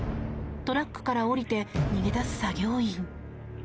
トラックから降りて逃げ出す作業員。